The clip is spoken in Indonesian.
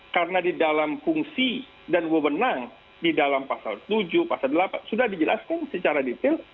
karena di dalam fungsi dan wubunang di dalam pasal tujuh pasal delapan sudah dijelaskan secara detail